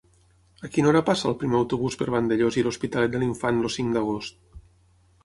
A quina hora passa el primer autobús per Vandellòs i l'Hospitalet de l'Infant el cinc d'agost?